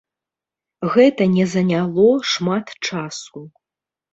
Гэта не заняло шмат часу.